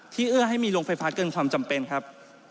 เอื้อให้มีโรงไฟฟ้าเกินความจำเป็นครับ